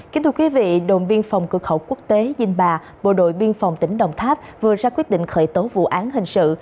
kính thưa quý vị đồn biên phòng cửa khẩu quốc tế dinh bà bộ đội biên phòng tỉnh đồng tháp vừa ra quyết định khởi tố vụ án hình sự